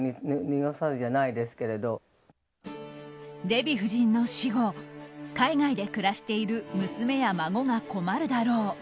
デヴィ夫人の死後海外で暮らしている娘や孫が困るだろう。